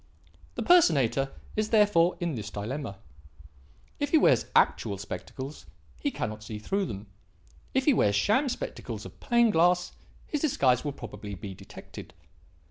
"The personator is therefore in this dilemma: if he wears actual spectacles, he cannot see through them; if he wears sham spectacles of plain glass, his disguise will probably be detected.